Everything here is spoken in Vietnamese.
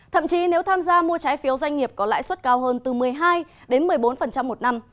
thậm chí nếu tham gia mua trái phiếu doanh nghiệp có lãi suất cao hơn từ một mươi hai đến một mươi bốn một năm